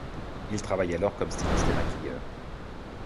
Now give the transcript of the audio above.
Il travaille alors comme styliste et maquilleur.